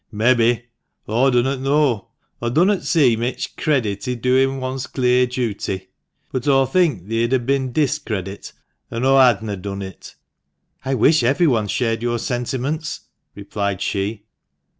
" Mebbe. Aw dunnot know. Aw dunnot see mich credit i' doin' one's clear duty. But aw think theer'd ha' bin discredit an' aw hadna done it." " I wish everyone shared your sentiments," replied she.